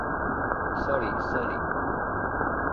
Sorry, sorry.